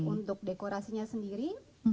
untuk dekorasinya sendiri